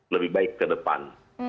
lebih baik ke depan